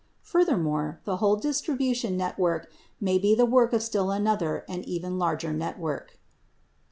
Furthermore, the whole distribution network may be the work of still another and even larger network.